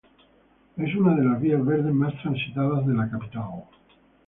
Es una de las vías verdes más transitadas de la capital.